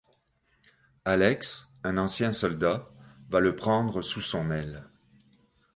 Alex, un ancien soldat, va le prendre sous son aile.